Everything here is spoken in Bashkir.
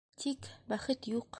Тик... бәхет юҡ.